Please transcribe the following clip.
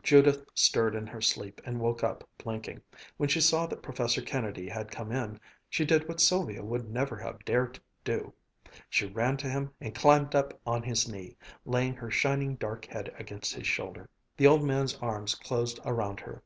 Judith stirred in her sleep and woke up blinking. When she saw that Professor Kennedy had come in, she did what Sylvia would never have dared do; she ran to him and climbed up on his knee, laying her shining, dark head against his shoulder. The old man's arms closed around her.